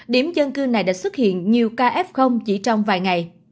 điểm dân cư này đã xuất hiện nhiều ca f chỉ trong vài ngày